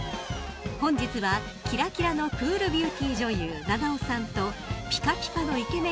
本日は、キラキラのクールビューティー女優菜々緒さんとピカピカのイケメン